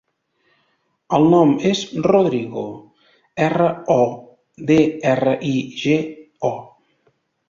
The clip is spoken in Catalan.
El nom és Rodrigo: erra, o, de, erra, i, ge, o.